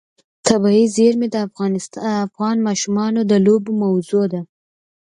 طبیعي زیرمې د افغان ماشومانو د لوبو موضوع ده.